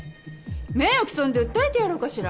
名誉毀損で訴えてやろうかしら。